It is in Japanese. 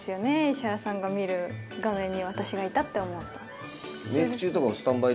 石原さんが見る画面に私がいたって思うと。